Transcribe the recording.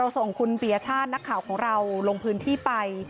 ส่งคุณปียชาตินักข่าวของเราลงพื้นที่ไป